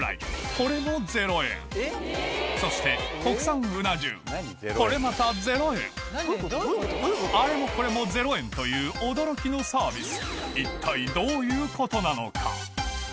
これもそして国産うな重これまたあれもこれも０円という驚きのサービス